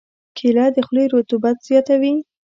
کېله د خولې رطوبت زیاتوي.